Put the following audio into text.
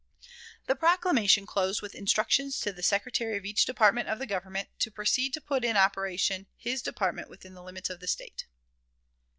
The proclamation closed with instructions to the Secretary of each department of the Government to proceed to put in operation his department within the limits of the State.